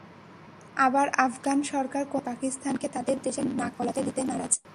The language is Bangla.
আবার আফগান সরকার কোনোভাবেই পাকিস্তানকে তাদের দেশে নাক গলাতে দিতে নারাজ।